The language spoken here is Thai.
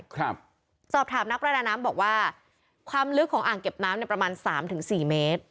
ครับสอบถามนักประดาน้ำบอกว่าความลึกของอ่างเก็บน้ำเนี่ยประมาณสามถึงสี่เมตร